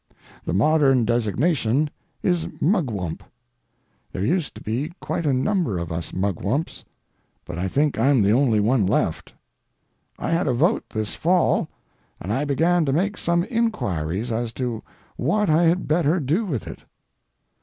The modern designation is Mugwump. There used to be quite a number of us Mugwumps, but I think I'm the only one left. I had a vote this fall, and I began to make some inquiries as to what I had better do with it.